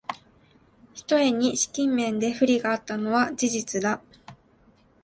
ひとえに資金面で不利があったのは事実だ